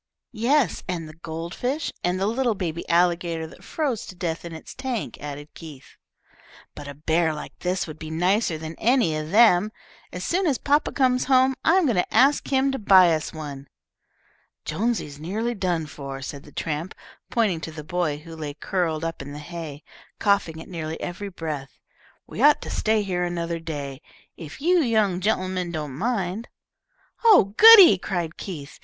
"Yes, and the gold fish, and the little baby alligator that froze to death in its tank," added Keith. "But a bear like this would be nicer than any of them. As soon as papa comes home I am going to ask him to buy us one." "Jonesy's nearly done for," said the tramp, pointing to the boy who lay curled up in the hay, coughing at nearly every breath. "We ought to stay here another day, if you young gen'lemen don't object." "Oh, goody!" cried Keith.